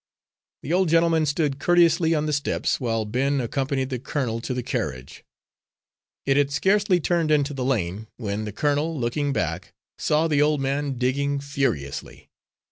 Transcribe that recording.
The old gentleman stood courteously on the steps while Ben accompanied the colonel to the carriage. It had scarcely turned into the lane when the colonel, looking back, saw the old man digging furiously.